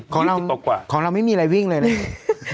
ของเราของเราไม่มีอะไรวิ่งเลยนะ